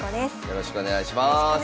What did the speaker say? よろしくお願いします。